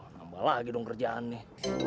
nambah lagi dong kerjaan nih